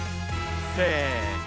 せの！